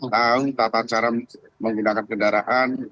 tahu tata cara menggunakan kendaraan